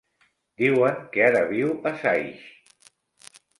Diuen que ara viu a Saix.